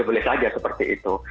boleh saja seperti itu